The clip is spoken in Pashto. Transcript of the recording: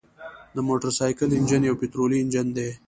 د موټرسایکل انجن یو پطرولي انجن دی.